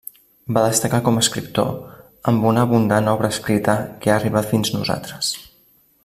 Va destacar com escriptor, amb una abundant obre escrita que ha arribat fins nosaltres.